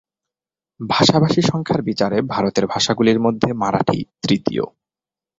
ভাষাভাষী সংখ্যার বিচারে ভারতের ভাষাগুলির মধ্যে মারাঠি তৃতীয়।